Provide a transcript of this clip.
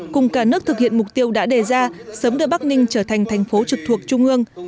cùng cả nước thực hiện mục tiêu đã đề ra sớm đưa bắc ninh trở thành thành phố trực thuộc trung ương